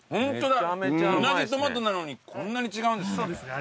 同じトマトなのにこんなに違うんですね。